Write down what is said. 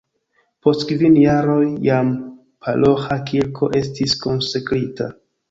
Post kvin jaroj jam paroĥa kirko estis konsekrita.